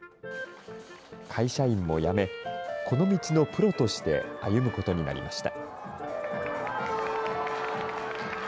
会社員も辞め、この道のプロとして歩むことになりました。